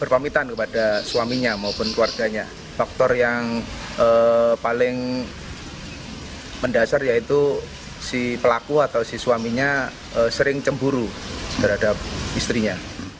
keluarganya faktor yang paling mendasar yaitu si pelaku atau si suaminya sering cemburu terhadap istrinya